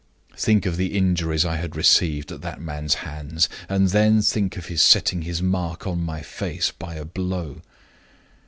"Think of the injuries I had received at that man's hands, and then think of his setting his mark on my face by a blow!